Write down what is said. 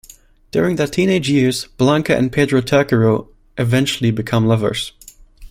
During their teenage years, Blanca and Pedro Tercero eventually become lovers.